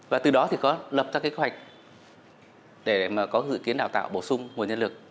và từ đó thì có lập ra cái kế hoạch để mà có dự kiến đào tạo bổ sung nguồn nhân lực